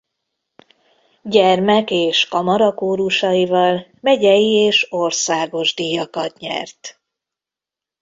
Gyermek- és kamarakórusaival megyei és országos díjakat nyert.